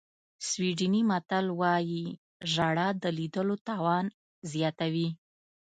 سویډني متل وایي ژړا د لیدلو توان زیاتوي.